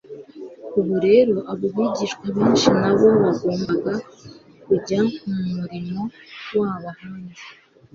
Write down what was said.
Ubu rero abo bigishwa benshi nabo bagombaga kujya mu murimo wabo ahandi.